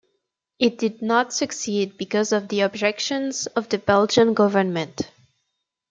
It did not succeed because of the objections of the Belgian government.